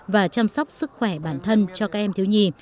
và chăm sóc sức khỏe bản thân cho các em thiếu nhi